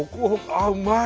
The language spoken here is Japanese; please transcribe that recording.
あっうまい。